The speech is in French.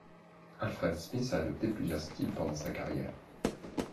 Alfred Smith a adopté plusieurs styles pendant sa carrière.